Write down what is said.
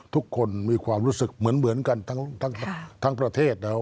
ทุกคนมีความรู้สึกเหมือนกันทั้งประเทศนะครับ